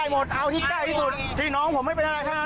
เหตุการณ์ที่กู้ภัยก็ช่วยชีวิตนะคะ